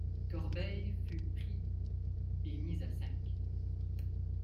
Corbeil fut pris et mis à sac.